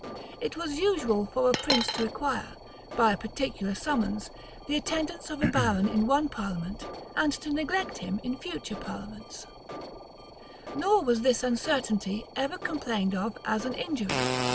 It was usual for the prince to require, by a particular summons, the attendance of a baron in one parliament, and to neglect him in future parliaments;[*] nor was this uncertainty ever complained of as an injury.